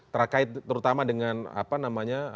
terkait terutama dengan apa namanya